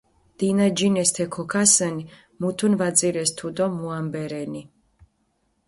დინაჯინეს თე ქოქასჷნი, მუთუნ ვაძირეს თუდო მუამბე რენი.